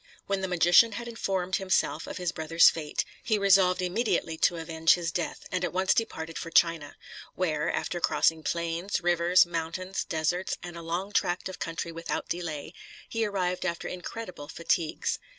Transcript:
When the magician had informed himself of his brother's fate, he resolved immediately to avenge his death, and at once departed for China; where, after crossing plains, rivers, mountains, deserts, and a long tract of country without delay, he arrived after incredible fatigues.